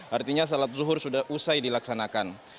hanya sholat zuhur sudah usai dilaksanakan